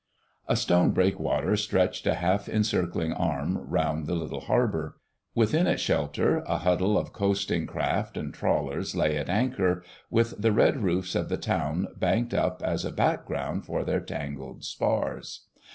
A stone breakwater stretched a half encircling arm round the little harbour. Within its shelter a huddle of coasting craft and trawlers lay at anchor, with the red roofs of the town banked up as a background for their tangled spars.